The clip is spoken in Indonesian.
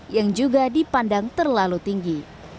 yang juga dipandang terlalu tinggi